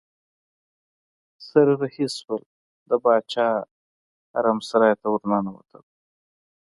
سره رهي شول د باچا حرم سرای ته ورننوتل.